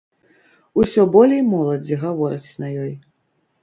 Усё болей моладзі гаворыць на ёй.